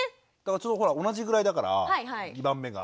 ちょうどほら同じぐらいだから２番目が。